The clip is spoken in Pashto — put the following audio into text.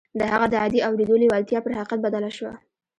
د هغه د عادي اورېدو لېوالتیا پر حقیقت بدله شوه